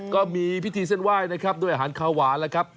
ก็มีพิธีเส้นไหว้นะครับด้วยอาหารข้าวหวานแล้วครับ